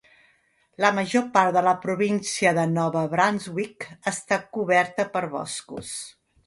La major part de la província de Nova Brunsvic està coberta per boscos.